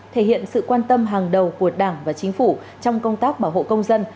thể hiện sự quan tâm hàng đầu của đảng và chính phủ trong công tác bảo hộ công dân